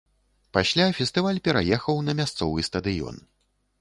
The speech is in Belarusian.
Пасля фестываль пераехаў на мясцовы стадыён.